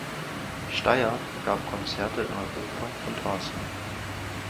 Steier gab Konzerte in Europa und Asien.